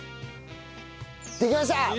できました！